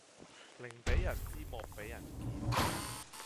寧俾人知莫俾人見